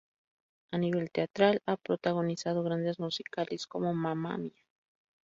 A nivel teatral, ha protagonizado grandes musicales como "Mamma Mia!